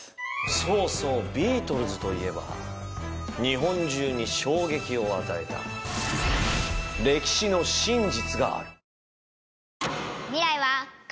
そうそうビートルズといえば日本中に衝撃を与えた歴史の真実がある。